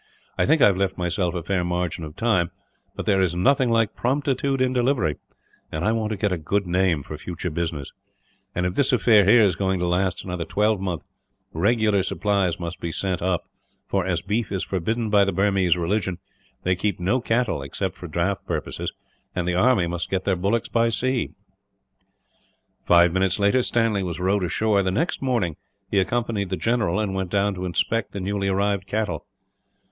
I think I have left myself a fair margin of time, but there is nothing like promptitude in delivery, and I want to get a good name, for future business; and if this affair here is going to last another twelve month, regular supplies must be sent up for, as beef is forbidden by the Burmese religion, they keep no cattle except for draught purposes, and the army must get their bullocks by sea." Five minutes later Stanley was rowed ashore. The next morning he accompanied the general, and went down to inspect the newly arrived cattle.